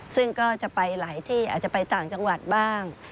ซึ่งก็จะไปหลายที่อาจจะไปต่างจังหวัดบ้าง